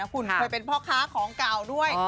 คุณค่ะผมได้เป็นพ่อค้าของเก่าด้วย